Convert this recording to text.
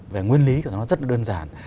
về nguyên lý của nó rất là đơn giản